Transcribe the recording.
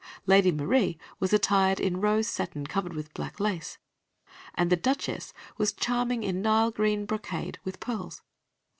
(Lady Marie was attired in rose satin covered with black lace, and the Duchess was charming in Nile green brocade, with pearls.)